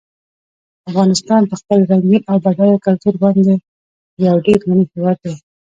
افغانستان په خپل رنګین او بډایه کلتور باندې یو ډېر غني هېواد دی.